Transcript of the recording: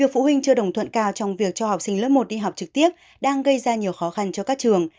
nhiều phụ huynh chưa đồng thuận cao trong việc cho học sinh lớp một đi học trực tiếp đang gây ra nhiều khó khăn cho các trường